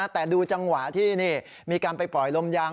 แต่ดูจังหวะที่มีการไปปล่อยลมยาง